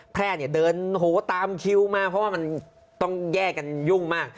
แพร่เนี่ยเดินโหตามคิวมาเพราะว่ามันต้องแยกกันยุ่งมาก